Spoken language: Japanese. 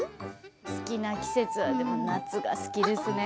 好きな季節は夏が好きですね。